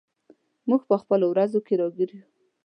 موږ په خپلو ورځو کې راګیر یو.